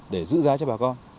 để giữ giá cho bà con